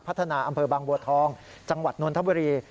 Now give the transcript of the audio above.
พัฒนาอำเภอบางบัวทองจังหวัดนนทบุรี